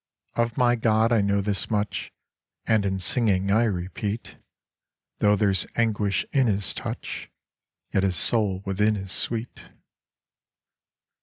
Of my god I know this much, And in singing I repeat, Though there's anguish in his touch, Yet his soul within is sweet.